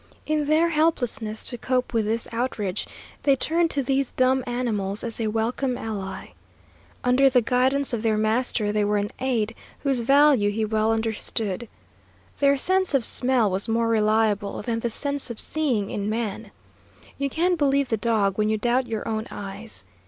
In their helplessness to cope with this outrage, they turned to these dumb animals as a welcome ally. Under the guidance of their master they were an aid whose value he well understood. Their sense of smell was more reliable than the sense of seeing in man. You can believe the dog when you doubt your own eyes.